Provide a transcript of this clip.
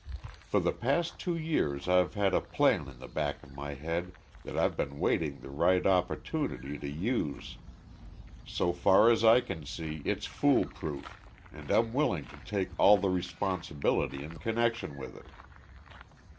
For the past two years I've had a plan in the back of my head that I've been waiting the right opportunity to use. So far as I can see it's foolproof and I'm willing to take all the responsibility in connection with it."